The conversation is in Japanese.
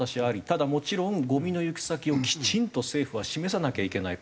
ただもちろんゴミの行く先をきちんと政府は示さなきゃいけない。